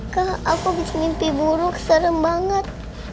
kak aku bisa mimpi buruk serem banget